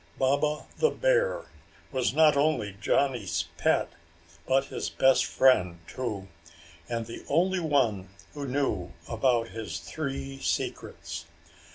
Baba, the bear, was not only Johnny's pet, but his best friend, too, and the only one who knew about his three secrets.